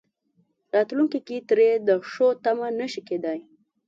راتلونکي کې هم ترې د ښو تمه نه شي کېدای.